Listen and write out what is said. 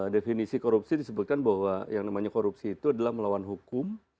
definisi korupsi disebutkan bahwa yang namanya korupsi itu adalah melawan hukum